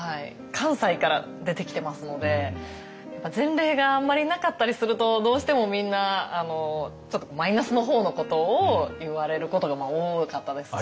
関西から出てきてますのでやっぱ前例があんまりなかったりするとどうしてもみんなちょっとマイナスの方のことを言われることが多かったですし。